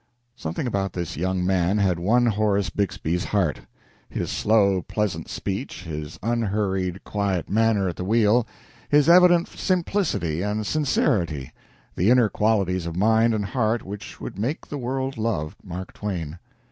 Something about this young man had won Horace Bixby's heart. His slow, pleasant speech, his unhurried, quiet manner at the wheel, his evident simplicity and sincerity the inner qualities of mind and heart which would make the world love Mark Twain.